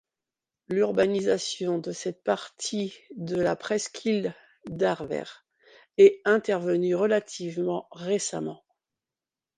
L’urbanisation de cette partie de la presqu'île d'Arvert est intervenue relativement récemment.